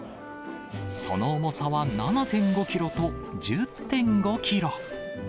その重さは７．５キロと１０．５キロ。